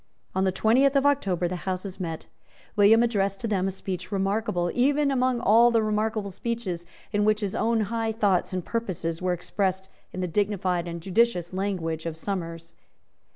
On the twentieth of October the Houses met. William addressed to them a speech remarkable even among all the remarkable speeches in which his own high thoughts and purposes were expressed in the dignified and judicious language of Somers.